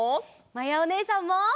まやおねえさんも！